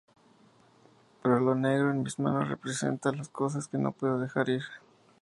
Pero lo negro en mis manos representa las cosas que no puedo dejar ir.